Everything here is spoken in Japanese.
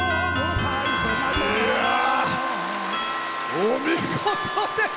お見事です！